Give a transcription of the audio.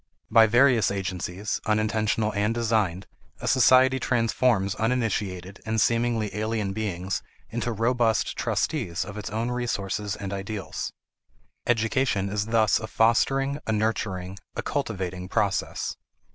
By various agencies, unintentional and designed, a society transforms uninitiated and seemingly alien beings into robust trustees of its own resources and ideals. Education is thus a fostering, a nurturing, a cultivating, process.